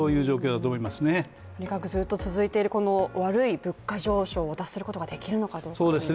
とにかくずっと続いている悪い物価上昇を脱することができるのかですよね。